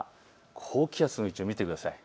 高気圧の位置を見てください。